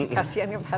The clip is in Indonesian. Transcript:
kasian ya pak